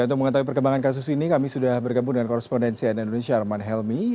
untuk mengetahui perkembangan kasus ini kami sudah bergabung dengan korrespondensi sianan indonesia arman helmy